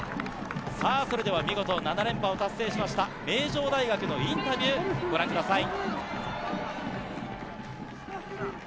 それでは見事７連覇を達成しました名城大学のインタビュー、ご覧ください。